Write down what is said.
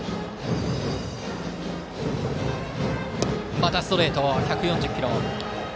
またストレート１４０キロ。